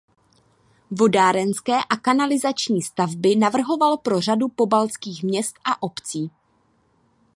Vodárenské a kanalizační stavby navrhoval pro řadu polabských měst a obcí.